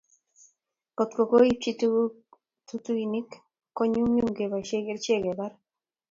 Kotko koibokchi tutuinik ko nyumnyum keboishe kerichek kebar